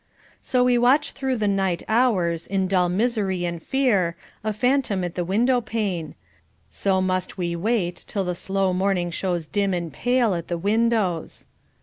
So we watch through the night hours, in dull misery and fear, a phantom at the window pane: so must we wait till the slow morning shows dim and pale at the windows.